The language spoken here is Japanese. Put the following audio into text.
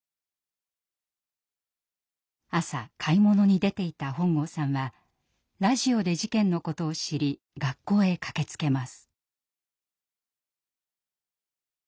朝買い物に出ていた本郷さんはラジオで事件のことを知り学校へ駆けつけます。